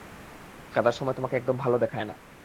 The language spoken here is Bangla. কাঁদার সময় তোমাকে একদম ভালো দেখায় না।